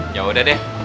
ya udah deh